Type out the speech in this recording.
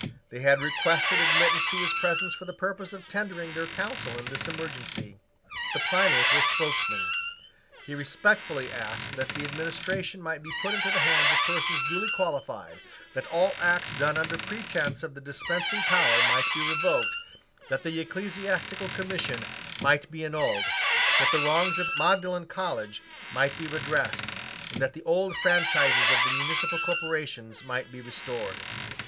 They had requested admittance to his presence for the purpose of tendering their counsel in this emergency. The Primate was spokesman. He respectfully asked that the administration might be put into the hands of persons duly qualified, that all acts done under pretence of the dispensing power might be revoked, that the Ecclesiastical Commission might be annulled, that the wrongs of Magdalene College might be redressed, and that the old franchises of the municipal corporations might be restored.